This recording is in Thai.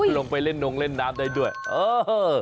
ลงไปเล่นนงเล่นน้ำได้ด้วยเออ